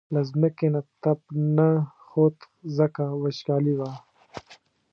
له ځمکې نه تپ نه خوت ځکه وچکالي وه.